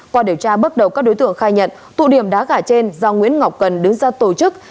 qua điều tra bước đầu các đối tượng khai nhận tụ điểm đá gà trên do nguyễn ngọc cần đứng ra tổ chức